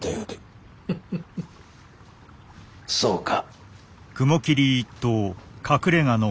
フフフそうか。